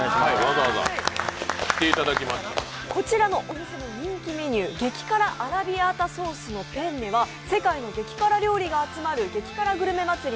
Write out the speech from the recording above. こちらの人気メニュー、激辛アラビアータソースのペンネは世界の激辛メニューが集まる激辛グルメ祭り